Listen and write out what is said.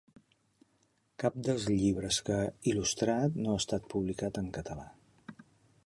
Cap dels llibres que ha il·lustrat no ha estat publicat en català.